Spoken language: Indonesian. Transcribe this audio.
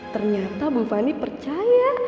ternyata bu fani percaya